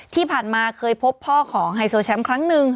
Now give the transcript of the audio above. ที่ผ่านมาเคยพบพ่อของไฮโซแชมป์ครั้งหนึ่ง